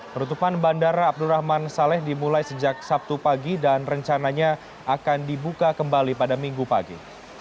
penutupan bandara abdurrahman saleh dimulai sejak sabtu pagi dan rencananya akan dibuka kembali pada minggu pagi